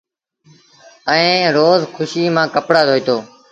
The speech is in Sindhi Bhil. ائيٚݩ روز کُوشيٚ مآݩ ڪپڙآ ڌوئيٚتو۔